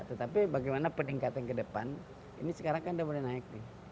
tetapi bagaimana peningkatan ke depan ini sekarang kan udah mulai naik